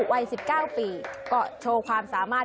วัย๑๙ปีก็โชว์ความสามารถ